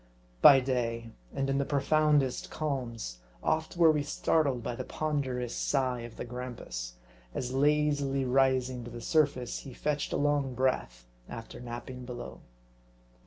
By day, and in the profoundest calms, oft were we startled by the ponderous sigh of the grampus, as lazily rising to the surface, he fetched a long breath after napping below.